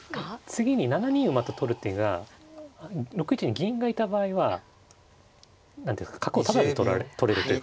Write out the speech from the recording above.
次に７二馬と取る手が６一に銀がいた場合は何ていうんですか角をタダで取れるっていう感じですね。